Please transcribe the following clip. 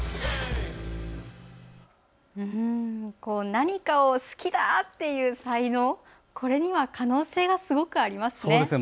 何かを好きだっていう才能、これには可能性がすごくありますね。